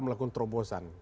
mk melakukan terobosan